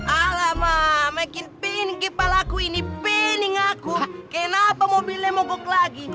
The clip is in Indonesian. alamak makin pink kepala aku ini pink aku kenapa mobilnya mogok lagi